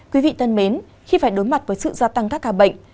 quý vị thân mến khi phải đối mặt với sự gia tăng các ca bệnh